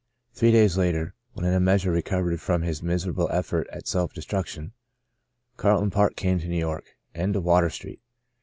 Three days later, when in a measure recovered from his miserable effort at self destruction, Carlton Park came to New York, and to Water Street.